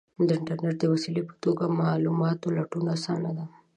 د انټرنیټ د وسیلې په توګه د معلوماتو لټون آسانه دی.